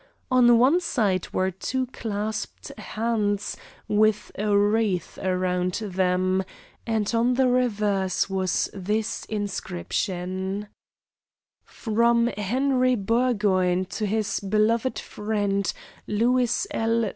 On one side were two clasped hands with a wreath around them, and on the reverse was this inscription: "From Henry Burgoyne to his beloved friend Lewis L.